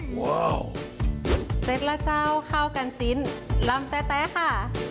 ว้าวเสร็จแล้วเจ้าข้าวกันจิ้นลำแต๊ะค่ะ